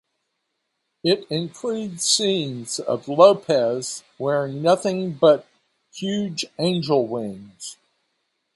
It includes scenes of Lopez "wearing nothing but huge angel wings".